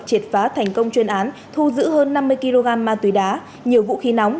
triệt phá thành công chuyên án thu giữ hơn năm mươi kg ma túy đá nhiều vũ khí nóng